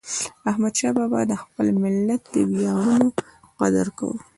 احمدشاه بابا د خپل ملت د ویاړونو قدر کاوه.